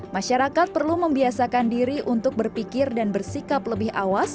masyarakat perlu membiasakan diri untuk berpikir dan bersikap lebih awas